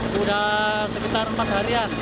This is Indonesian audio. sudah sekitar empat harian